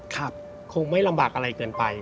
คงไม่ลำบากอะไรเกินไป